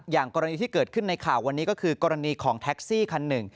อย่างกรณีที่เกิดขึ้นในข่าววันนี้ก็คือกรณีของแท็กซี่คันหนึ่ง